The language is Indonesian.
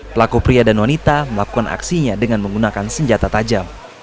pelaku pria dan wanita melakukan aksinya dengan menggunakan senjata tajam